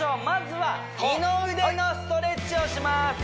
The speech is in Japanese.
まずは二の腕のストレッチをします